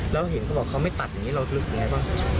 แล้วเห็นเขาบอกเขาไม่ตัดอย่างนี้เรารู้สึกยังไงบ้าง